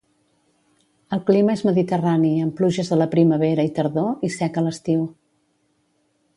El clima és mediterrani amb pluges a la primavera i tardor i sec a l'estiu.